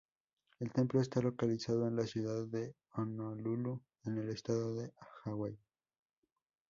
El templo está localizado en la ciudad de Honolulu, en el estado de Hawái.